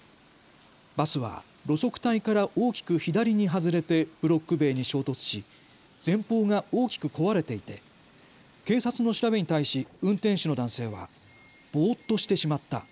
バスは路側帯から大きく左に外れてブロック塀に衝突し前方が大きく壊れていて警察の調べに対し運転手の男性はぼーっとしてしまった。